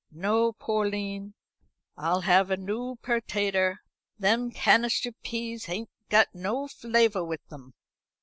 "No, Porline, I'll have a noo pertater. Them canister peas ain't got no flaviour with them."